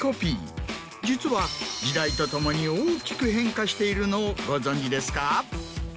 実は時代とともに大きく変化しているのをご存じですか？